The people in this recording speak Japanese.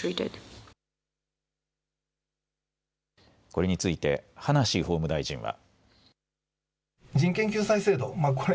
これについて葉梨法務大臣は。